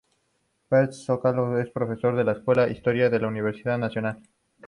Peters Solórzano es profesora de la Escuela de Historia de la Universidad Nacional.